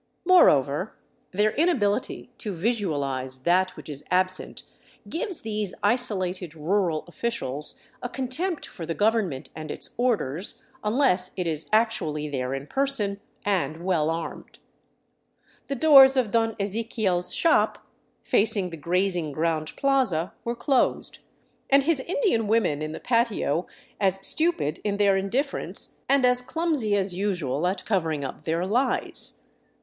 Moreover, their inability to vizualize that which is absent gives these isolated rural officials a contempt for the government and its orders, unless it is actually there in person, and well armed. The doors of Don Eze quiel's shop, facing the grazing ground plaza, were closed, and his Indian women in the patio as stupid in their indifference, and as clumsy as usual at covering up their lies.